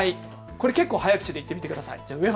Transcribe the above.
これ結構、早口で言ってみてください。